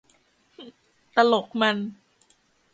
ตลกมัน